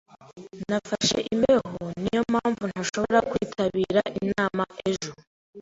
Nafashe imbeho. Niyo mpamvu ntashobora kwitabira inama ejo.